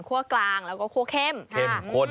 กลางแล้วก็คั่วเข้มเข้มข้น